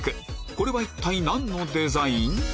これは一体何のデザイン？